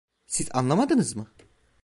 Siz anlamadınız mı?